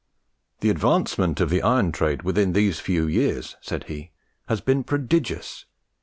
"The advancement of the iron trade within these few years," said he, "has been prodigious.